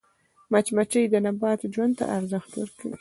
مچمچۍ د نبات ژوند ته ارزښت ورکوي